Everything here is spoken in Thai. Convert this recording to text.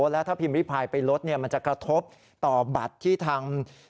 แล้วถ้าพิมพ์ริพายไปลดมันจะกระทบต่อบัตรที่ทาง